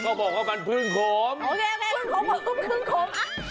เขาบอกว่ามันพึ่งขมโอเคโอเคพึ่งขมพึ่งขมพึ่งขม